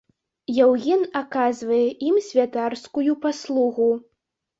Яўген аказвае ім святарскую паслугу.